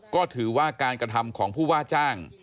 ก็ถือว่าการกระทำของผู้ว่าจ้าง